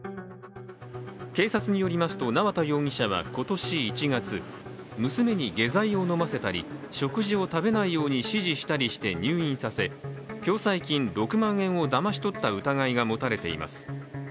警察によりますと縄田容疑者は今年１月娘に下剤を飲ませたり食事を食べないように指示したりして入院させ、共済金６万円をだまし取った疑いが持たれています。